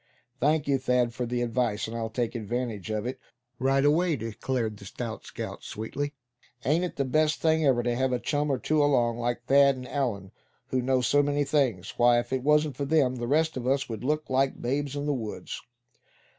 "Thank you, Thad, for the advice, and I'll take advantage of it right away," declared the stout scout, sweetly. "Ain't it the best thing ever to have a chum or two along, like Thad and Allan, who know so many things? Why, if it wasn't for them, the rest of us would look like the babes in the woods."